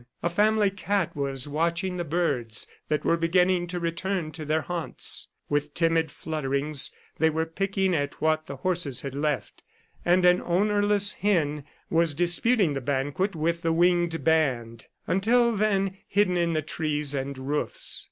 A family cat was watching the birds that were beginning to return to their haunts. With timid flutterings they were picking at what the horses had left, and an ownerless hen was disputing the banquet with the winged band, until then hidden in the trees and roofs.